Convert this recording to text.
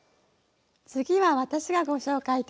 次は私がご紹介いたします。